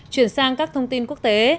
chuyển sang các thông tin quốc tế